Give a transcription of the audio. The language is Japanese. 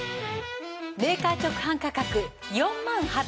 メーカー直販価格４万８１０